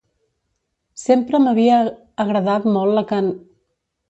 Sempre m'havia agradat molt la can